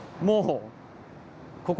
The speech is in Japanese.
もう。